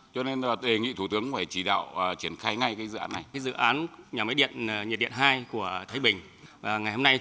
cho nên là đề nghị thủ tướng phải chỉ đạo triển khai ngay cái dự án này